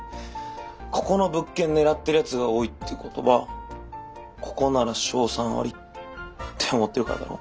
ここの物件狙ってるヤツが多いってことはここなら勝算ありって思ってるからだろ。